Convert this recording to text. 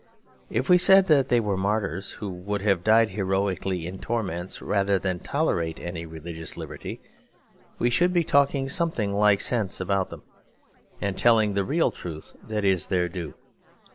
If we said that they were martyrs who would have died heroically in torments rather than tolerate any religious liberty, we should be talking something like sense about them, and telling the real truth that is their due.